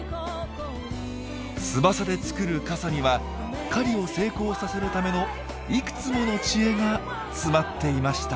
翼で作る傘には狩りを成功させるためのいくつもの知恵が詰まっていました。